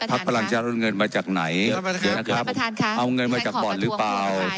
พักพลังเจ้าโดนเงินมาจากไหนท่านประธานค่ะเอาเงินมาจากบ่อนหรือเปล่า